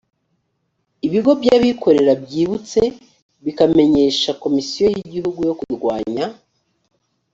ibigo by abikorera byibutse bikamenyesha komisiyo y igihugu yo kurwanya